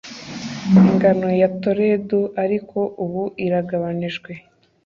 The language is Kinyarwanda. ingano ya toledo, ariko ubu iragabanijwe